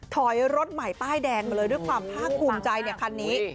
ถอยรถใหม่ป้ายแดงมาเลยด้วยความภาคภูมิใจในคันนี้